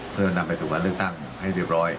เพื่อนำไปสู่การเลือกตั้งให้เรียบร้อย